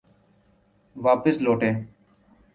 واپس لوٹے۔